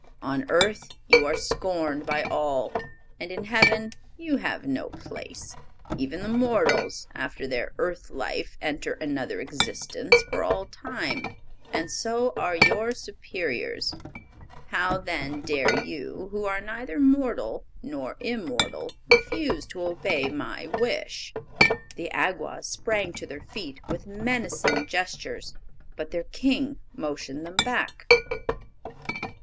On earth you are scorned by all, and in Heaven you have no place! Even the mortals, after their earth life, enter another existence for all time, and so are your superiors. How then dare you, who are neither mortal nor immortal, refuse to obey my wish?" The Awgwas sprang to their feet with menacing gestures, but their King motioned them back.